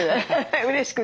うれしくて。